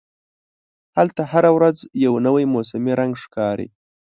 هلته هره ورځ یو نوی موسمي رنګ ښکاري.